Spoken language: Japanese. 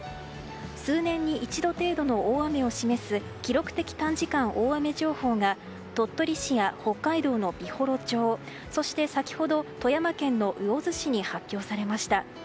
数年に一度程度の大雨を示す記録的短時間大雨情報が鳥取市や北海道の美幌町そして先ほど、富山県の魚津市に発表されました。